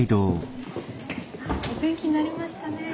お天気になりましたね今日ね。